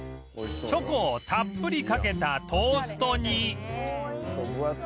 チョコをたっぷりかけたトーストに